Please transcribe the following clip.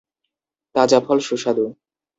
তাজা ফল সুস্বাদু।